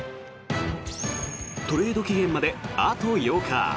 トレード期限まであと８日。